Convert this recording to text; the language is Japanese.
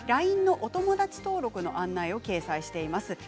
ＬＩＮＥのお友だち登録の案内を掲載しています。